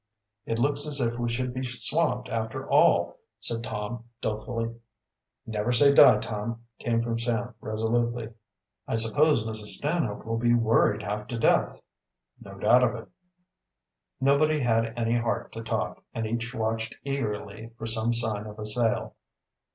"It looks as if we should be swamped after all," said Tom dolefully. "Never say die, Tom," came from Sam resolutely. "I suppose Mrs. Stanhope will be worried half to death." "No doubt of it." Nobody had any heart to talk, and each watched eagerly for some sign of a sail.